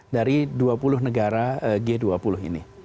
dari dua puluh negara g dua puluh ini